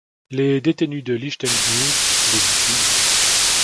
Les détenues de Lichtenburg les y suivirent.